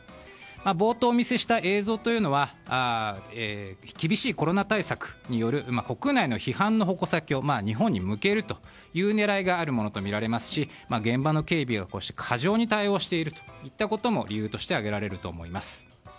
冒頭、お見せした映像は厳しいコロナ対策による国内の批判の矛先を日本に向けるという狙いがあるものとみられますし現場の警備を過剰に対応していることも理由として挙げられると思います。